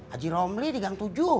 aji romli di gang tujuh